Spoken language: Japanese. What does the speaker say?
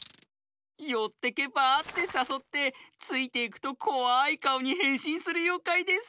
「よってけばあ？」ってさそってついていくとこわいかおにへんしんするようかいです。